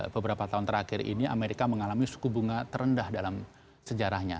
beberapa tahun terakhir ini amerika mengalami suku bunga terendah dalam sejarahnya